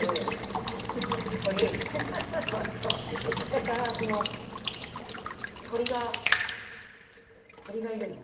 だからその鳥が鳥がいるの？